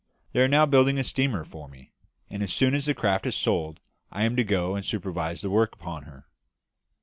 They are now building a steamer for me; and as soon as this craft is sold I am to go and supervise the work upon her."